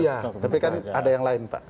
iya tapi kan ada yang lain pak